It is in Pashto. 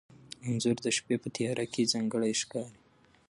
انځور د شپې په تیاره کې ځانګړی ښکاري.